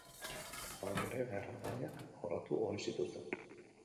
Hauek ere gerra gaiak jorratu ohi zituzten.